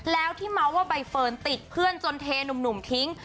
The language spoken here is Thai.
แล้วที่เมาส์ว่าใบเฟิร์นติดเพื่อนจนเทหนุ่มทิ้ง